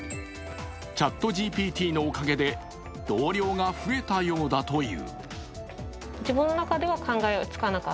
ＣｈａｔＧＰＴのおかげで同僚が増えたようだという。